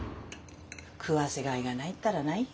食わせがいがないったらないよ。